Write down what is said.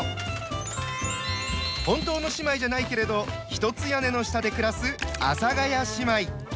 本当の姉妹じゃないけれど一つ屋根の下で暮らす「阿佐ヶ谷姉妹」。